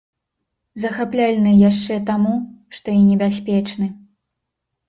Захапляльны яшчэ таму, што і небяспечны.